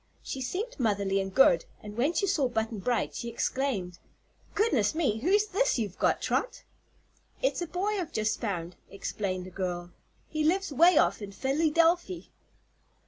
She seemed motherly and good and when she saw Button Bright she exclaimed: "Goodness me! who's this you've got, Trot?" "It's a boy I've just found," explained the girl. "He lives way off in Phillydelphy."